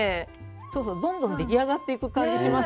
そうそうどんどん出来上がっていく感じしますよね。